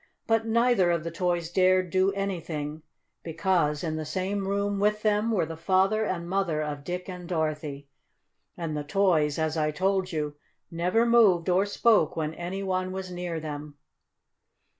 But neither of the toys dared do anything, because, in the same room with them, were the father and mother of Dick and Dorothy. And the toys, as I told you, never moved or spoke when any one was near them.